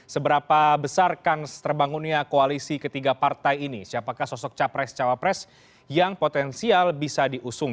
seberapa besarkan terbangunnya koalisi ketiga partai ini siapakah sosok capres cawapres yang potensial bisa diusung